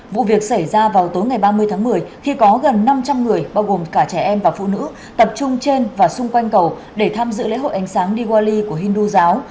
vụ việc xảy ra vào tối ngày ba mươi tháng một mươi khi có gần năm trăm linh người bao gồm cả trẻ em và phụ nữ tập trung trên và xung quanh cầu để tham dự lễ hội ánh sáng diwali của hindu giáo